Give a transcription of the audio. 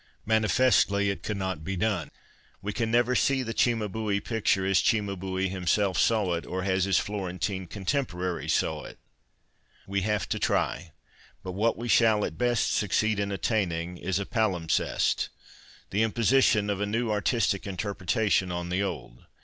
Manifestly it cannot be done ; we can never see the Cimabue picture as Cimabue himself saw it or as his Florentine contemporaries saw it. We have to try ; but what we shall at best succeed in attaining is a palimpsest, the superimposition of new artistic interpretation on the old.